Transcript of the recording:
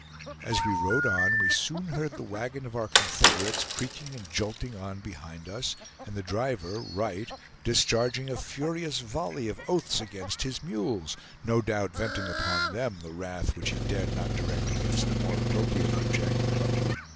As we rode on, we soon heard the wagon of our confederates creaking and jolting on behind us, and the driver, Wright, discharging a furious volley of oaths against his mules; no doubt venting upon them the wrath which he dared not direct against a more appropriate object.